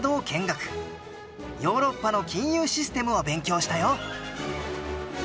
ヨーロッパの金融システムを勉強したよ。